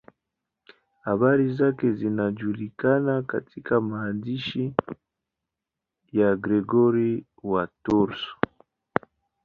Habari zake zinajulikana katika maandishi ya Gregori wa Tours.